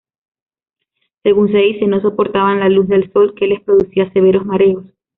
Según se dice, no soportaban la luz del sol, que les producía severos mareos.